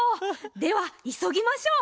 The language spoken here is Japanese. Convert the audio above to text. ではいそぎましょう。